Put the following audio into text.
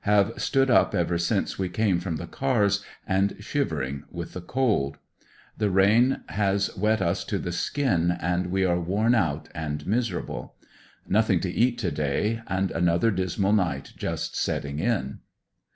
Have stood up ever since we came from the cars, and shivering with the cold The rain has wet us to the skin and we are worn out and miserable Nothing to eat to day, and another dismal night just setting in.